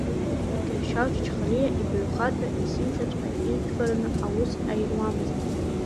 Кьыршьал Чачхалиа ибаҩхатәра есымшаҵәҟьа ирџьбараны аус аируамызт.